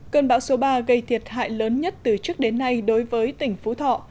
cơn bão số ba gây thiệt hại lớn nhất từ trước đến nay đối với tỉnh phú thọ